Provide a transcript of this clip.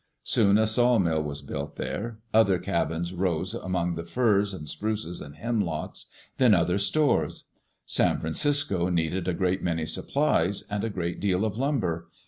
Soon a sawmill was built there. Other cabins rose among the firs and spruces and hem locks; then other stores. San Francisco needed a great many supplies and a great deal of lumber.